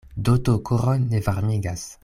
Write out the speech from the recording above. Doto koron ne varmigas.